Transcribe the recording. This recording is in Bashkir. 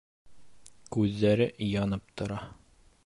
Күҙҙәре янып тора.